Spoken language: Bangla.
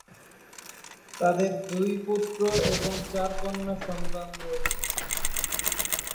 তাদের দুই পুত্র এবং চার কন্যা সন্তান রয়েছে।